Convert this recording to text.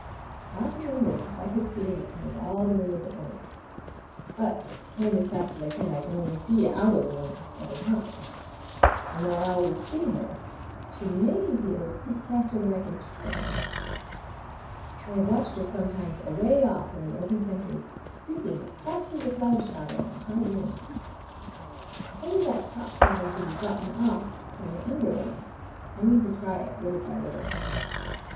I often wonder if I could see her out of all the windows at once. But, turn as fast as I can, I can only see out of one at one time. And though I always see her she may be able to creep faster than I can turn! I have watched her sometimes away off in the open country, creeping as fast as a cloud shadow in a high wind. If only that top pattern could be gotten off from the under one! I mean to try it, little by little.